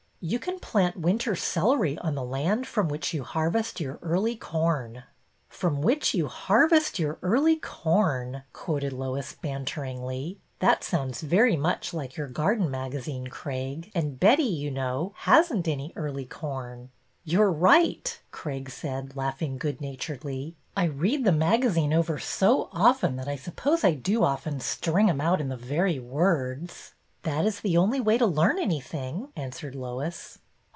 You can plant winter celery on the land from which you harvest your early corn." ''' From which you harvest your early corn,' " quoted Lois, banteringly. That sounds very much like your garden magazine, Craig. And Betty, you know, has n't any early corn." '' You 're right," Craig said, laughing good naturedly. I read the magazine over so often that I suppose I do often string 'em out in the very words." • That is the only way to learn anything," answered Lois.